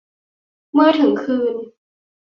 เมื่อถึงคืน